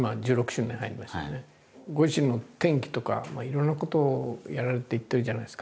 ご自身の転機とかいろんなことをやられていってるじゃないですか。